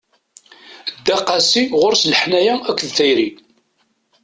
Dda qasi, ɣur-s leḥnana akked tayri.